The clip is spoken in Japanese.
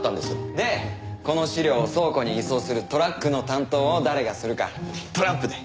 でこの資料を倉庫に移送するトラックの担当を誰がするかトランプで！